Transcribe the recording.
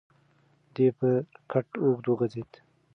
دی پر کټ اوږد وغځېد.